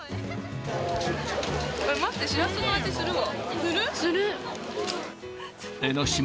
待って、シラスの味するわ。